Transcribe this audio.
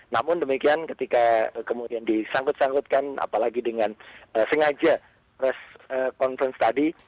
namun demikian ketika kemudian disangkut sangkutkan apalagi dengan sengaja rest conference tadi